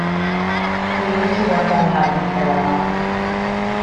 We need to work on that in parallel.